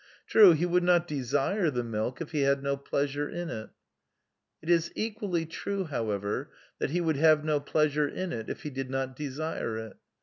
True, he would not desire the milk if he had no pleasure in it. It is equally true, however, that he would have no pleasure in it if he did not desire it.